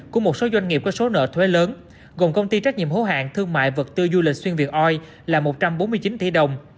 của một số doanh nghiệp có số nợ thuế lớn gồm công ty trách nhiệm hữu hạng thương mại vật tư du lịch xuyên việt oi là một trăm bốn mươi chín tỷ đồng